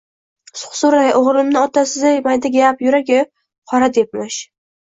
Suqsurday o`g`limni Otasiday maydagap, yuragi qoradebmish